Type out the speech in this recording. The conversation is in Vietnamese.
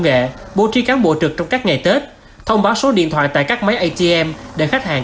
nghệ bố trí cán bộ trực trong các ngày tết thông báo số điện thoại tại các máy atm để khách hàng